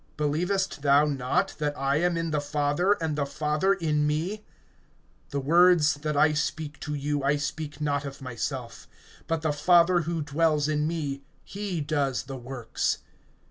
(10)Believest thou not that I am in the Father, and the Father in me? The words that I speak to you I speak not of myself; but the Father who dwells in me, he does the works.